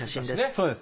そうですね。